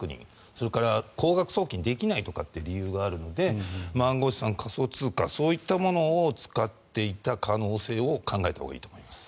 それから高額送金ができないという理由があるので暗号資産、仮想通貨そういったものを使っていた可能性を考えたほうがいいと思います。